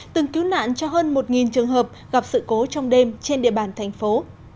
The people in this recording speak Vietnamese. từng cứu nạn cho hơn một trường hợp gặp sự cố trong đêm trên địa bàn thành phố